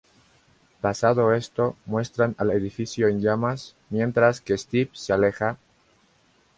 Pasado esto, muestran al edificio en llamas, mientras que Steve se aleja.